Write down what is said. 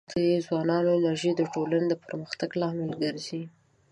د ځوانانو انرژي د ټولنې د پرمختګ لامل ګرځي.